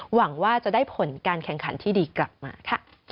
หวังว่าจะได้ผลการแข่งขันที่ดีกลับมาค่ะ